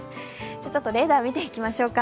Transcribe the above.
レーダー見ていきましょうか。